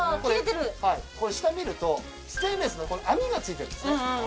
下見るとステンレスの網が付いてるんですね。